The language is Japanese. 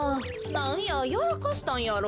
なんややらかしたんやろ。